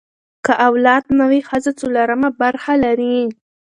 که اولاد نه وي، ښځه څلورمه برخه لري.